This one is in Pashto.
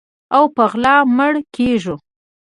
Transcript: او په غلا مړه کیږو